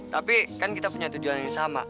tapi kan kita punya tujuan yang sama